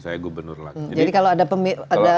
saya gubernur lagi jadi kalau ada